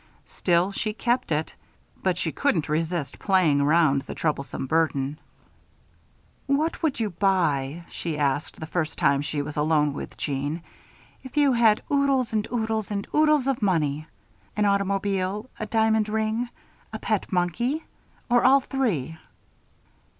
Still, she kept it; but she couldn't resist playing around the troublesome burden. "What would you buy," she asked, the first time she was alone with Jeanne, "if you had oodles and oodles and oodles of money? An automobile? A diamond ring? A pet monkey? Or all three?"